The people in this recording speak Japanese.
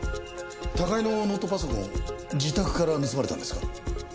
高井のノートパソコン自宅から盗まれたんですか？